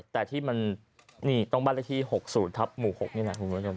แต่ที่มันนี่ต้องบ้านเลขที่๖๐ทับหมู่๖นี่แหละคุณผู้ชม